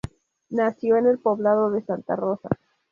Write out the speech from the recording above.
Nació en el poblado de Santa Rosa.